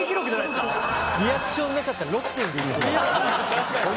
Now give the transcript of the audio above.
確かにね。